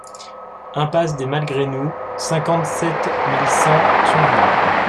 Impasse des Malgré-Nous, cinquante-sept mille cent Thionville